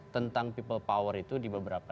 tentang people power itu di beberapa